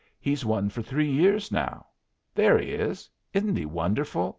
He's won for three years now. There he is. Isn't he wonderful?"